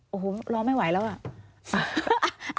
โอ้โหลองไม่ไหวกันแล้ว